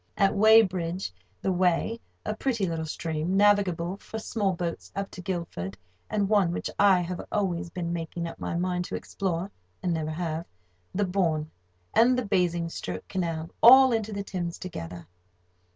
At Weybridge, the Wey (a pretty little stream, navigable for small boats up to Guildford, and one which I have always been making up my mind to explore, and never have), the Bourne, and the Basingstoke Canal all enter the Thames together.